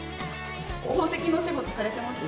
宝石のお仕事されてました？